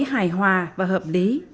hài hòa và hợp lý